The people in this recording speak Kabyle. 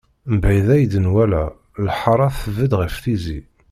Mebɛid ay d-nwala, lḥara tbedd ɣef tizi.